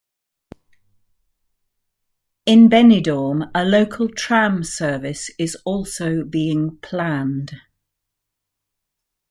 In Benidorm, a local tram service is also being planned.